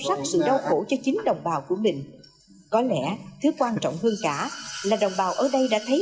rất sự đau khổ cho chính đồng bào của mình có lẽ thứ quan trọng hơn cả là đồng bào ở đây đã thấy